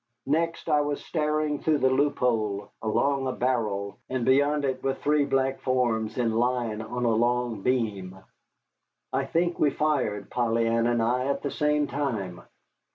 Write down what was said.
Next I was staring through the loophole along a barrel, and beyond it were three black forms in line on a long beam. I think we fired Polly Ann and I at the same time.